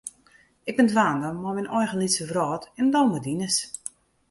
Ik bin dwaande mei myn eigen lytse wrâld en do mei dines.